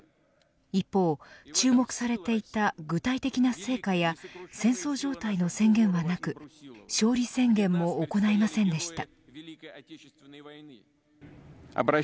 一方、注目されていた具体的な成果や戦争状態の宣言はなく勝利宣言も行いませんでした。